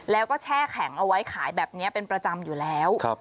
แล้วก็แช่แข็งเอาไว้ขายแบบนี้เป็นประจำอยู่แล้ว